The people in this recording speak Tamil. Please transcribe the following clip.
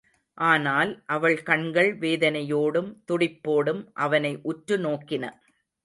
ஆனால் அவள் கண்கள் வேதனையோடும் துடிப்போடும் அவனை உற்று நோக்கின.